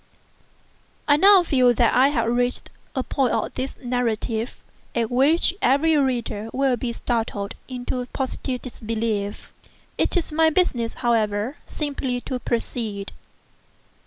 I now feel that I have reached a point of this narrative at which every reader will be startled into positive disbelief. It is my business, however, simply to proceed.